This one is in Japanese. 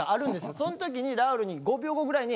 そん時にラウールに５秒後ぐらいに。